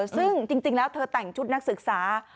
ซึ่งจริงแล้วเธอแต่งชุดนักศึกษา